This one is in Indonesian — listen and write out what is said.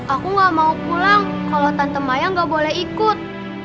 aku gak mau pulang kalau tante mayang nggak boleh ikut